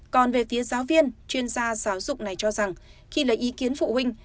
còn về phía giáo viên chuyên gia giáo dục này cho rằng khi lấy ý kiến phụ huynh